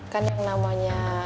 kan yang namanya